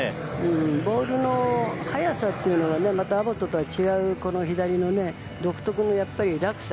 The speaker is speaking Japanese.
ボールの速さというのはまた、アボットとは違う左の独特の落差。